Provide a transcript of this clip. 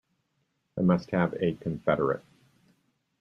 I must have a confederate.